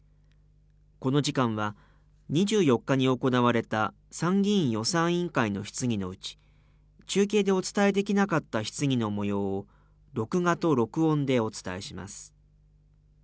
この時間は、２４時間に行われた、参議院予算委員会の質疑のうち、中継でお伝えできなかった質疑のもようを、録画と録音でお伝えします。